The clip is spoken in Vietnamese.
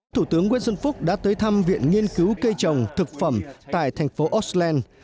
thủ tướng nguyễn xuân phúc đã tới thăm viện nghiên cứu cây trồng thực phẩm tại thành phố osland